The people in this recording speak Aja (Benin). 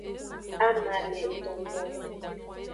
Ama le etontolo.